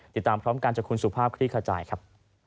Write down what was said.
ติดตามพร้อมกันจากคุณสุภาพคลี่ขจายครับ